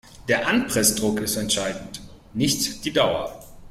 Der Anpressdruck ist entscheidend, nicht die Dauer.